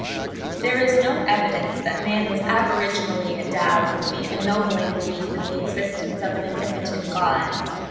There is no evidence that man was aboriginally endowed with the ennobling belief in the existence of an Omnipotent God.